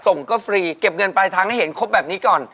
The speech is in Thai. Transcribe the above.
ส่งก็ฟรีเก็บเงินปลายทางให้เห็นครบแบบนี้ก่อน